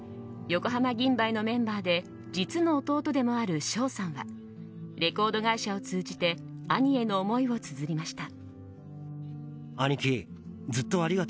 横浜銀蝿のメンバーで実の弟でもある翔さんはレコード会社を通じて兄への思いをつづりました。